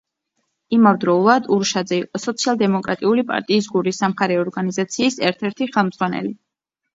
იმავდროულად, ურუშაძე იყო სოციალ-დემოკრატიული პარტიის გურიის სამხარეო ორგანიზაციის ერთ-ერთი ხელმძღვანელი.